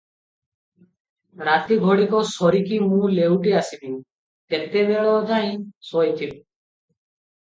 ରାତି ଘଡ଼ିକ ସରିକି ମୁଁ ଲେଉଟି ଆସିବି, ତେତେବେଳ ଯାଇ ଶୋଇଥିବୁ ।